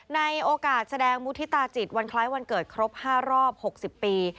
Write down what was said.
ในโอกาสแสดงมุฒิตาจิตวันคล้ายวันเกิดครบ๕รอบ๖๐ปี